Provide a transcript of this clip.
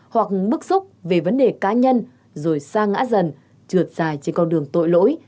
hoặc bức xúc về vấn đề cá nhân rồi xa ngã dần trượt dài trên con đường tội lỗi